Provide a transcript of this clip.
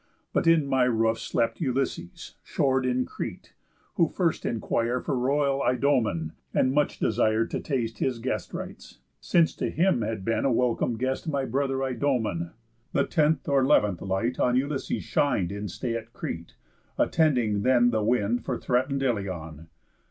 But in my roof slept Ulysses, shor'd in Crete; who first inquir'd For royal Idomen, and much desir'd To taste his guest rites, since to him had been A welcome guest my brother Idomen. The tenth or 'leventh light on Ulysses shin'd In stay at Crete, attending then the wind For threaten'd Ilion.